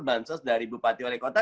bansos dari bupati wali kota